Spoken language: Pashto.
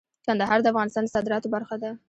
کندهار د افغانستان د صادراتو برخه ده.